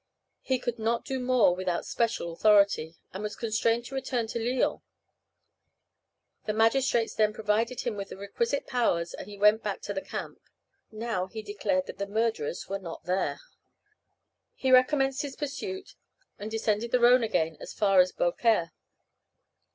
He could not do more without special authority, and was constrained to return to Lyons. The magistrates then provided him with the requisite powers, and he went back to the camp. Now he declared that the murderers were not there. He recommenced his pursuit, and descended the Rhone again as far as Beaucaire.